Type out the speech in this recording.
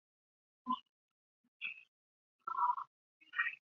于是乎腓特烈踏上前往日尔曼的道路。